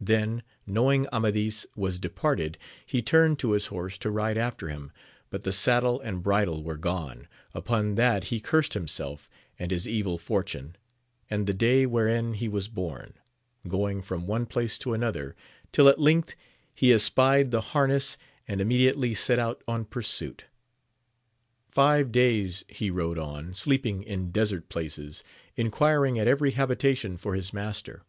Then, knowing Amadis was departed, he turned to his horse to ride after him, but the saddle and bridle weie gone ! upon that he cursed himself and his evil fortune, and the day 286 AMADIS OF GAUL wherein he was born, going from one place to another, till at length he espied the harness, and immediately set out on pursuit. Five days he rode on, sleeping in desert places, enquiring at every habitation for his master.